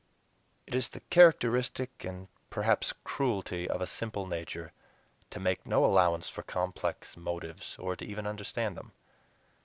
It is the characteristic and perhaps cruelty of a simple nature to make no allowance for complex motives, or to even understand them!